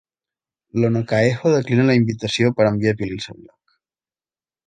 Lonokaeho declina la invitació, però envia a Pili al seu lloc.